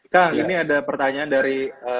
kang ini ada pertanyaan dari